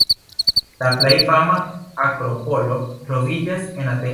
La plej fama akropolo troviĝas en Ateno.